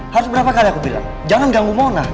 harus berapa kali aku bilang jangan ganggu mona